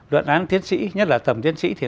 luận án tiến sĩ nhất là tầm tiến sĩ thì